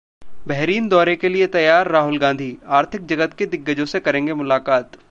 Bahrain दौरे के लिए तैयार राहुल गांधी, आर्थिक जगत के दिग्गजों से करेंगे मुलाकात